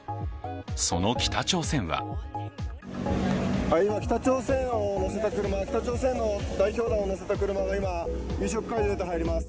その北朝鮮は今、北朝鮮の代表団を乗せた車が今、夕食会議へと入ります。